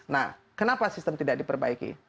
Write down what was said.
nah kenapa sistem tidak diperbaiki